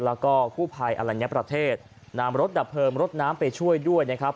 แล้วก็กู้ภัยอลัญญประเทศนำรถดับเพลิงรถน้ำไปช่วยด้วยนะครับ